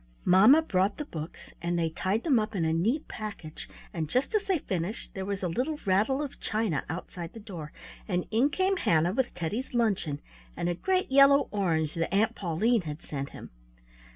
Mamma brought the books, and they tied them up in a neat package, and just as they finished there was a little rattle of china outside the door, and in came Hannah with Teddy's luncheon, and a great yellow orange that Aunt Pauline had sent him.